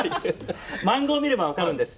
漫画を見れば分かるんです。